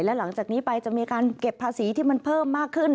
และหลังจากนี้ไปจะมีการเก็บภาษีที่มันเพิ่มมากขึ้น